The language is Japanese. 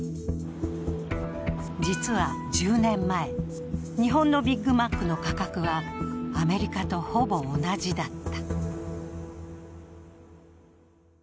実は１０年前、日本のビッグマックの価格はアメリカとほぼ同じだった。